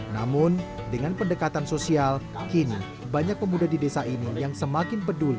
namun dengan pendekatan sosial kini banyak pemuda di desa ini yang semakin peduli